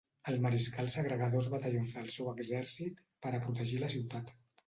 El mariscal segregà dos batallons del seu exèrcit per a protegir la ciutat.